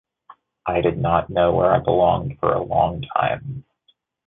I did not know where I belonged for a long time.